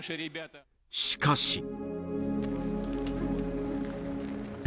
しかし。